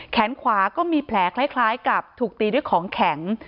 แขนขวาก็มีแผลคล้ายกับถูกตีด้วยของแข็ง